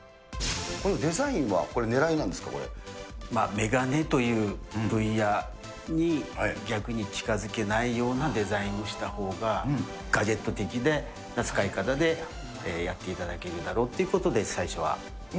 このデザインはこれ、眼鏡という分野に逆に近づけないようなデザインをしたほうが、ガジェット的な使い方で、やっていただけるだろうということで、最初はデザイン。